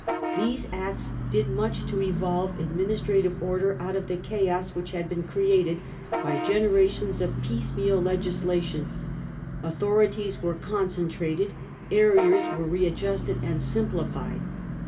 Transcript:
These Acts did much to evolve administrative order out of the chaos which had been created by generations of piece meal legislation ; authorities were concen trated ; areas were readjusted and simplified.